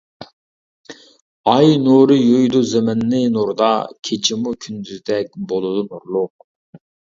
ئاي نۇرى يۇيىدۇ زېمىننى نۇردا، كېچىمۇ كۈندۈزدەك بولىدۇ نۇرلۇق.